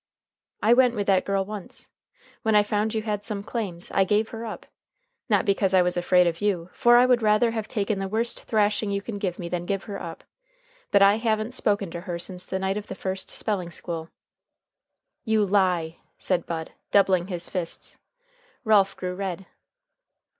I went with that girl once. When I found you had some claims, I gave her up. Not because I was afraid of you, for I would rather have taken the worst thrashing you can give me than give her up. But I haven't spoken to her since the night of the first spelling school." "You lie!" said Bud, doubling his fists. Ralph grew red.